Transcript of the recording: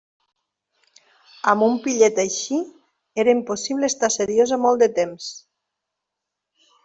Amb un pillet així era impossible estar seriosa molt de temps!